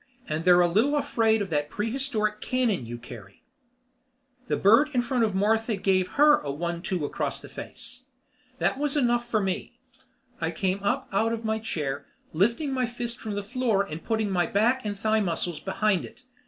And they're a little afraid of that prehistoric cannon you carry." The bird in front of Martha gave her a one two across the face. That was enough for me. I came up out of my chair, lifting my fist from the floor and putting my back and thigh muscles behind it.